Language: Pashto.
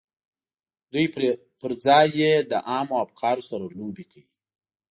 دوی پر ځای یې له عامو افکارو سره لوبې کوي